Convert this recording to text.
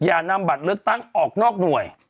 อย่านำบัตรเลือกตั้งออกนอกหน่วย